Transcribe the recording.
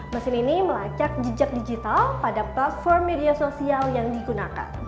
mesin ini melacak jejak digital pada platform media sosial yang digunakan